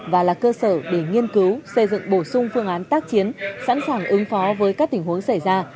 và là cơ sở để nghiên cứu xây dựng bổ sung phương án tác chiến sẵn sàng ứng phó với các tình huống xảy ra